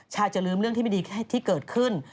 จะลืมเรื่องที่ไม่ดีที่เกิดขึ้น